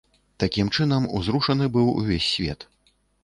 Такім чынам, узрушаны быў увесь свет.